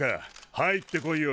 入ってこいよ。